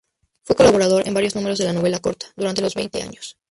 Fue colaborador en varios números de "La novela corta", durante los años veinte.